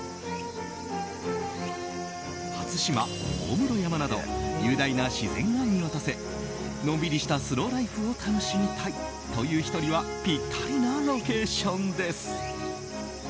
初島、大室山など雄大な自然が見渡せのんびりしたスローライフを楽しみたいという人にはぴったりなロケーションです。